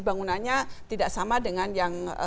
bangunannya tidak sama dengan yang